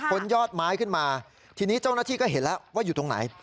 ยอดไม้ขึ้นมาทีนี้เจ้าหน้าที่ก็เห็นแล้วว่าอยู่ตรงไหน